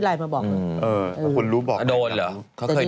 หลังโดนเหมือนผู้ชาย